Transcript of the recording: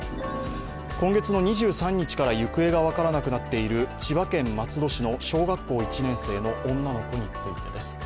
今月の２３日から行方が分からなくなっている千葉県松戸市の小学校１年生の女の子についてです。